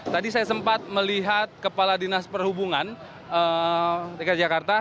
tadi saya sempat melihat kepala dinas perhubungan dki jakarta